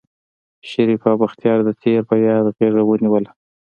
شريف او بختيار د تېر په ياد غېږه ونيوله.